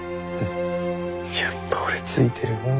やっぱ俺ついてるなあ。